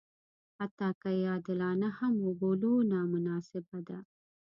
حتی که یې عادلانه هم وبولو نامناسبه ده.